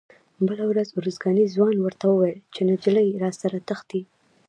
بله ورځ ارزګاني ځوان ورته وویل چې نجلۍ راسره تښتي.